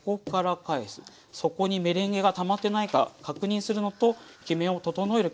底にメレンゲがたまってないか確認するのときめを整える感じで。